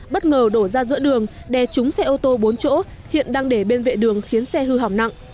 bất ngờ đổ ra giữa đường đè trúng xe ô tô bốn chỗ hiện đang để bên vệ đường khiến xe hư hỏng nặng